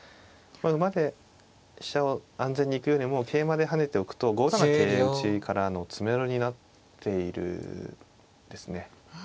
馬で飛車を安全に行くよりも桂馬で跳ねておくと５七桂打からの詰めろになっているですね。